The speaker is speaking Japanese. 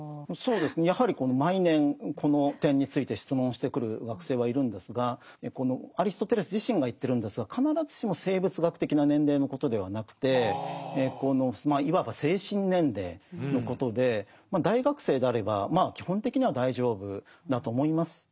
やはり毎年この点について質問してくる学生はいるんですがアリストテレス自身が言ってるんですが必ずしも生物学的な年齢のことではなくてまあいわば精神年齢のことで大学生であればまあ基本的には大丈夫だと思います。